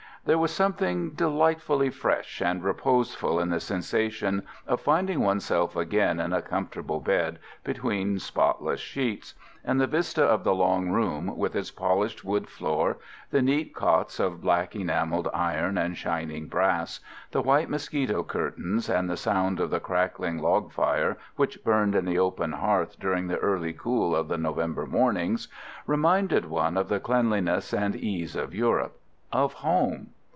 There was something delightfully fresh and reposeful in the sensation of finding oneself again in a comfortable bed, between spotless sheets; and the vista of the long room, with its polished wood floor, the neat cots of black enamelled iron and shining brass, the white mosquito curtains and the sound of the crackling log fire, which burned in the open hearth during the early cool of the November mornings, reminded one of the cleanliness and ease of Europe of home.